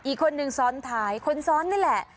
อีกคนนึงซ้อนท้ายคนซ้อนนี่แหละ